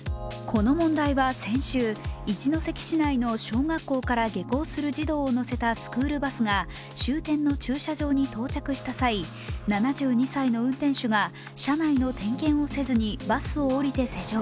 この問題は先週、一関市内の小学校から下校する児童を乗せたスクールバスが終点の駐車場に到着した際７２歳の運転手が車内の点検をせずにバスを降りて施錠。